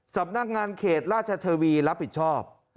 สำนักงานเขตราชเทวีรับผิดชอบ